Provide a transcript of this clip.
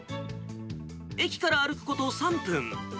駅から歩くこと３分。